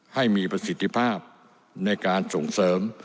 ให้มีประสิทธิภาพในการส่งเสริม